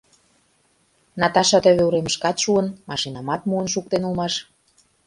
Наташа тӧвӧ уремышкат шуын, машинамат муын шуктен улмаш...